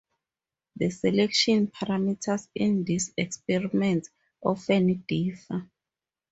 The selection parameters in these experiments often differ.